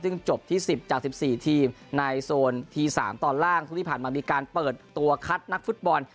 ซึ่งจบที่๑๐จาก๑๔ทีมในโซนที๓ตอนล่างช่วงที่ผ่านมามีการเปิดตัวคัดนักฟุตบอล